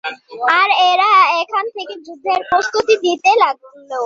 আর ওরা এখান থেকে যুদ্ধের প্রস্তুতি নিতে লাগলো।